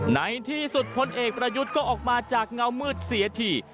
ในที่สุดพลเอกประยุทธ์ก็ออกมาจากเงามืดเสียที